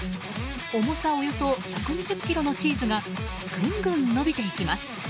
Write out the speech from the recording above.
重さおよそ１２０ｋｇのチーズがぐんぐん伸びていきます。